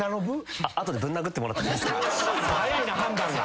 はやいな判断が。